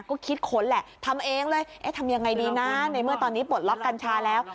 ก็คิดค้นแหละทำเองเลยเอ๊ะทำยังไงดีนะในเมื่อตอนนี้ปลดล็อกกัญชาแล้ว